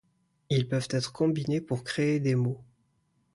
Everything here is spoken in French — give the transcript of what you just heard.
Ils peuvent être combinés pour créer des mots.